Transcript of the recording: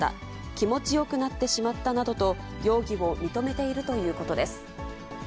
気持ちよくなってしまったなどと、容疑を認めているということです。